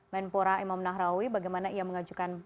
menpora imam nahrawi bagaimana ia mengajukan